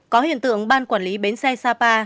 có hiện tượng ban quản lý bến xe sapa